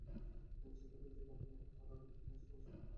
সেখানে ছিল গণকবর অথবা গলিত লাশ এবং শিয়াল-শকুনে খাওয়া মানুষের হাড়গোড়।